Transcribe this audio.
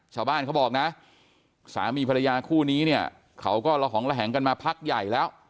เขาบอกนะสามีภรรยาคู่นี้เนี่ยเขาก็ระหองระแหงกันมาพักใหญ่แล้ว